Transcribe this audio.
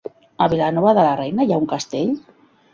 A Vilanova de la Reina hi ha un castell?